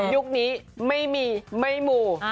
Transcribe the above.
ยุคนี้ไม่มีไม่หมู่